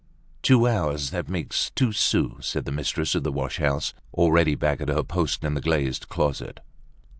"Two hours, that makes two sous," said the mistress of the wash house, already back at her post in the glazed closet.